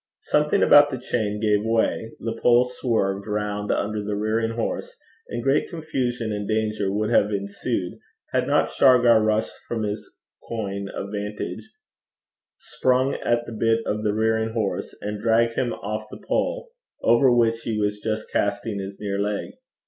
Something about the chain gave way, the pole swerved round under the rearing horse, and great confusion and danger would have ensued, had not Shargar rushed from his coign of vantage, sprung at the bit of the rearing horse, and dragged him off the pole, over which he was just casting his near leg.